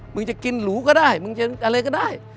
มึงจะกินหรูก็ได้มึงจะอะไรก็ได้